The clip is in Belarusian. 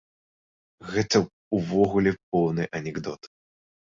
Гэта ўвогуле поўны анекдот.